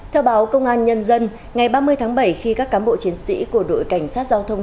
theo báo công an nhân dân ngày ba mươi tháng bảy khi các cán bộ chiến sĩ của đội cảnh sát giao thông